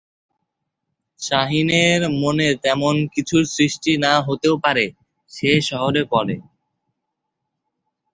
শাহীনের মনে তেমন কিছুর সৃষ্টি না হতেও পারে; সে শহরে পড়ে।